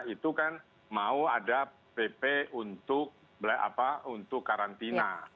itu kan mau ada pp untuk karantina